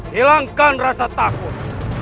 hilangkan rasa takut